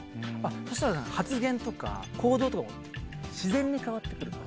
そしたら発言とか、行動とかも自然に変わってくるから。